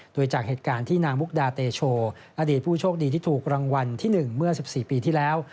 โดยจากเหตุการณ์ที่นางมุกดาเตโชอดีตผู้โชคดีที่ถูกรางวัลที่๑เมื่อ๑๔ปีที่แล้ว